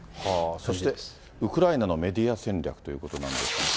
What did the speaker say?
そしてウクライナのメディア戦略ということなんですが。